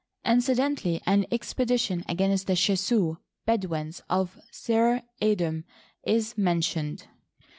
Incident aJly an expedition against the Shasu (Bedouins) of Selr (Edom) is mentioned.